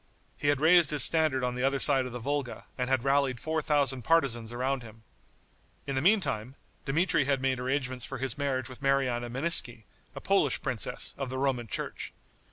He had raised his standard on the other side of the Volga, and had rallied four thousand partisans around him. In the meantime, Dmitri had made arrangements for his marriage with Mariana Meneiski, a Polish princess, of the Roman church.